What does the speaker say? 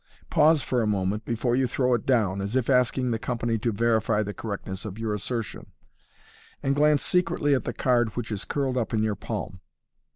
Pause for a moment before you throw it down, as if asking the company to verify the correctness of your assertion, and glance secretly at the card which is curled up in your palm.